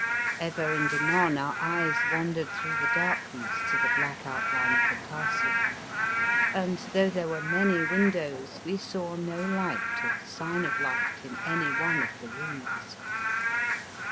Ever and anon our eyes wandered through the darkness to the black out line of the castle, and, though there were many windows, we saw no light or sign of light in any one of the rooms.